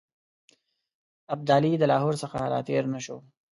ابدالي د لاهور څخه را تېر نه شو.